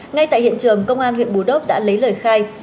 ngay tại hiện trường công an huyện bù đốp đã lấy lời khai